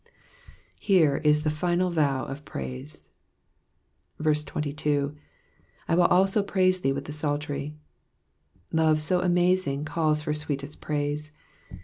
Here is the final vow of praise. 22. / will also praise thee with the psaltery.''^ Love so amazing calls for sweetest praise.